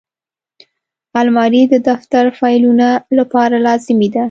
الماري د دفتر فایلونو لپاره لازمي ده